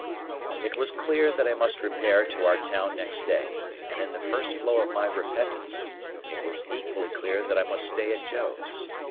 It was clear that I must repair to our town next day, and in the first flow of my repentance, it was equally clear that I must stay at Joe's.